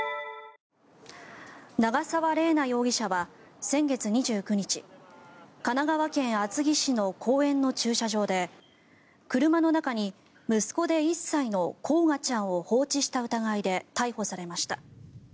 長澤麗奈容疑者は先月２９日神奈川県厚木市の公園の駐車場で車の中に息子で１歳の煌翔ちゃんを放置した疑いで逮捕されました。